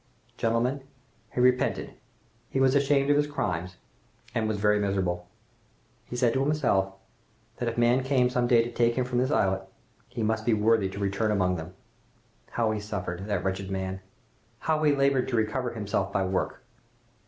"Gentlemen, he repented, he was ashamed of his crimes and was very miserable! He said to himself, that if men came some day to take him from that islet, he must be worthy to return among them! How he suffered, that wretched man! How he labored to recover himself by work!